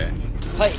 はい。